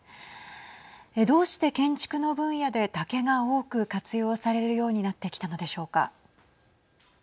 どうして建築の分野で竹が多く活用されるようになってきたのでしょうか。